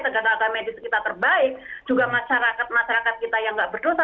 segala galanya medis kita terbaik juga masyarakat masyarakat kita yang tidak berdosa